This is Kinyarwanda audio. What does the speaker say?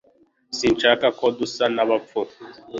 Sinshaka ko dusa n'abapfu